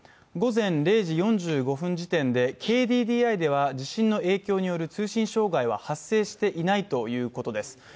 午前０時４５分時点で、ＫＤＤＩでは地震の影響による通信障害は発生していないということです